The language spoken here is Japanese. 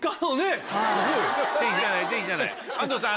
安藤さん